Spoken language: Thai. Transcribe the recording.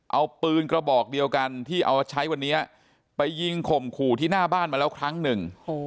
เอาปืนกระบอกเดียวกันที่เอามาใช้วันนี้ไปยิงข่มขู่ที่หน้าบ้านมาแล้วครั้งหนึ่ง